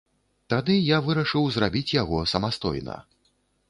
Тады я вырашыў зрабіць яго самастойна.